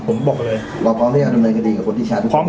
ผมบอกเลย